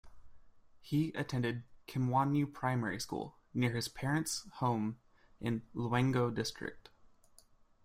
He attended Kimwanyu Primary School, near his parents' home in Lwengo District.